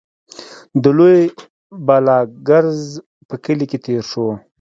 د لوی بالاکرز په کلي کې تېر شوو.